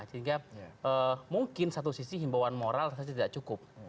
sehingga mungkin satu sisi himbauan moral tidak cukup